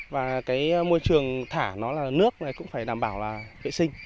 và môi trường thả nước cũng phải đảm bảo vệ sinh